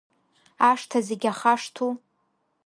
Ашҭа зегь ахашҭу?